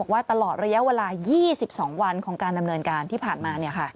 ว่าตลอดระยะเวลา๒๒วันของการดำเนินการที่ผ่านมา